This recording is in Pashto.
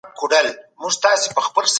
تاسي په خپلو ملګرو کي ډېر محبوب یاست.